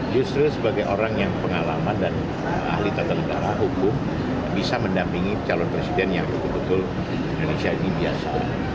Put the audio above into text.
justru sebagai orang yang pengalaman dan ahli tata negara hukum bisa mendampingi calon presiden yang betul betul indonesia ini biasa